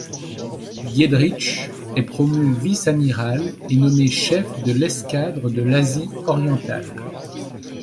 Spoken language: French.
Diederichs est promu vice-amiral et nommé chef de l'escadre de l'Asie orientale.